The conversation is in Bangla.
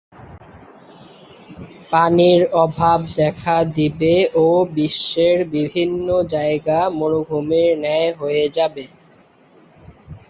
পানির অভাব দেখা দিবে ও বিশ্বের বিভিন্ন জায়গা মরুভূমির ন্যায় হয়ে যাবে।